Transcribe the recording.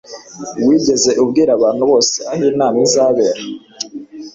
wigeze ubwira abantu bose aho inama izabera